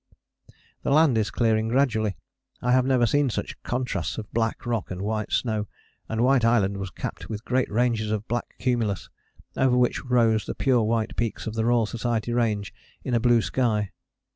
The land is clearing gradually. I have never seen such contrasts of black rock and white snow, and White Island was capped with great ranges of black cumulus, over which rose the pure white peaks of the Royal Society Range in a blue sky.